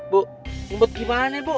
bu buat gimana bu